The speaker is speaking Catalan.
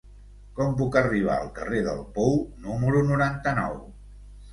Com puc arribar al carrer del Pou número noranta-nou?